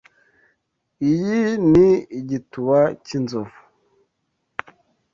Iyi ni igituba cyinzovu.